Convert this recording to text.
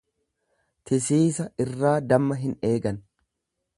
Tisiisa irraa damma hin eegan.